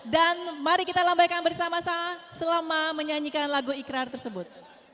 dan mari kita lambaikan bersama sama selama menyanyikan lagu ikrar tersebut